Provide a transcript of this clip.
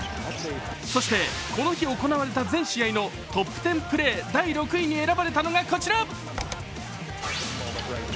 そしてこの日行われた全試合のトップ１０プレー第６位に選ばれたのがこちら。